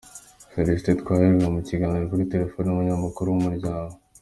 Celestin Twahirwa mu kiganiro kuri telefone n’umunyamakuru wa Umuryango.